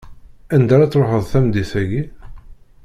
Anda ara tṛuḥeḍ tameddit-aki?